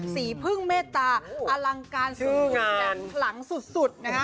สีพึ่งเมตตาอลังการสู้หนังขลังสุดนะฮะ